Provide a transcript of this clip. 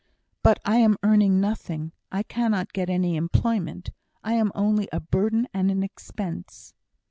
"But I am earning nothing. I cannot get any employment. I am only a burden and an expense."